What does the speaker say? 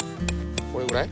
これぐらい？